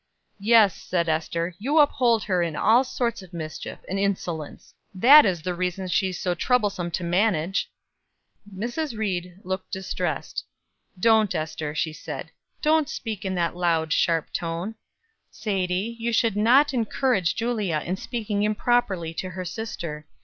"Yes," said Ester, "you uphold her in all sorts of mischief and insolence; that is the reason she is so troublesome to manage." Mrs. Ried looked distressed. "Don't, Ester," she said; "don't speak in that loud, sharp tone. Sadie, you should not encourage Julia in speaking improperly to her sister.